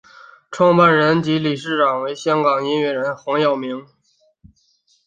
创办人及理事长为香港音乐人黄耀明。